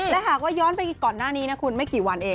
และหากว่าย้อนไปก่อนหน้านี้นะคุณไม่กี่วันเอง